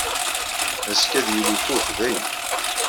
Azekka, ad yili ifut dayen.